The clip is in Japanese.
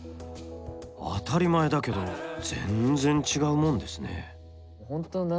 当たり前だけど全然違うもんですね。